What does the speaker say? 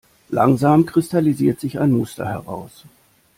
Langsam kristallisiert sich ein Muster heraus.